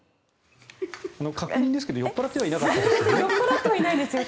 確認ですけど酔っぱらってはいなかったですよね？